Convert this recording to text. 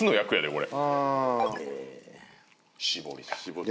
これ。